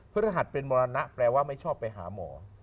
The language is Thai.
พระรหัสเป็นมรณะแปลว่าไม่ชอบไปหาหมอ